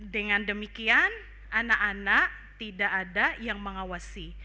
dengan demikian anak anak tidak ada yang mengawasi